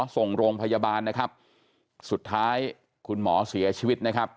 ส่งโรงพยาบาลนะครับสุดท้ายคุณหมอเสียชีวิตนะครับ